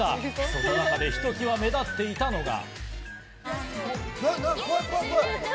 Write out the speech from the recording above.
その中で、ひときわ目立っていたのが。